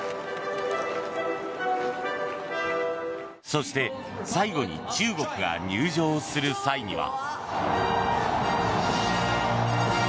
そして、最後に中国が入場する際には。